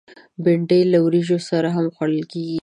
بېنډۍ له وریژو سره هم خوړل کېږي